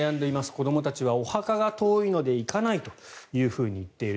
子どもたちはお墓が遠いので行かないと言っている。